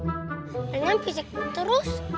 anaknya pisik terus